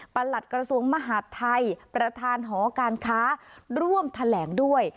หลัดกระทรวงมหาดไทยประธานหอการค้าร่วมแถลงด้วย